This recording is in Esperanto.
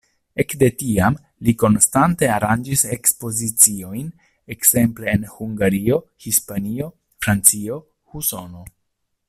Ekde tiam li konstante aranĝis ekspoziciojn ekzemple en Hungario, Hispanio, Francio, Usono.